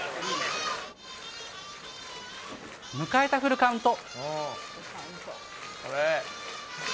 迎えたフルカウント。